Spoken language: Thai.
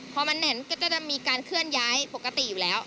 พอมันแห่นก็จะมีการเคลื่อนย้ายปกติอยู่แล้ว